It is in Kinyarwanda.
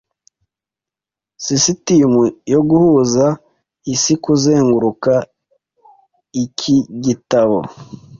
sisitemu yo guhuza isikuzenguruka ikigitabo